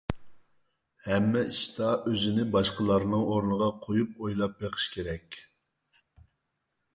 ھەممە ئىشتا ئۆزىنى باشقىلارنىڭ ئورنىغا قويۇپ ئويلاپ بېقىش كېرەك.